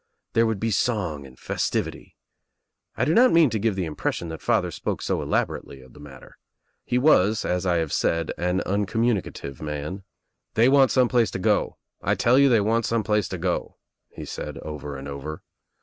There would be song and festivity. I do not mean to give the impression that father spoke so elaborately of the matter. He was as I have said an uncommunicative man, "They want some place to go. I tell you they want some place J go," he said over and over.